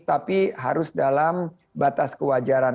tapi harus dalam batas kewajaran